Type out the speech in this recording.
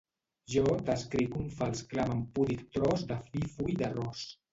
Jo t'escric un fals clam en púdic tros de fi full d'arròs.